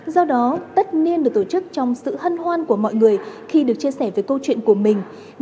do đó tất niên được tổ chức trong sự hân hoan của mọi người khi được chia sẻ về câu chuyện của mình